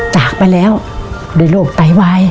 จากไปแล้วด้วยโรคไตวาย